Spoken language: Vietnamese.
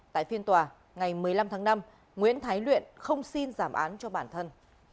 tại phiên tòa ngày một mươi năm tháng năm nguyễn thái luyện không xin giảm án cho bản thân